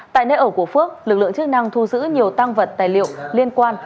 tại nơi ở của phước lực lượng chức năng thu giữ nhiều tăng vật tài liệu liên quan